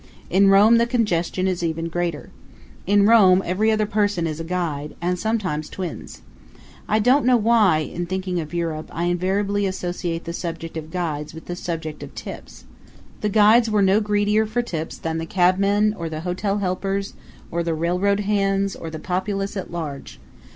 In Rome the congestion is even greater. In Rome every other person is a guide and sometimes twins. I do not know why, in thinking of Europe, I invariably associate the subject of guides with the subject of tips. The guides were no greedier for tips than the cabmen or the hotel helpers, or the railroad hands, or the populace at large.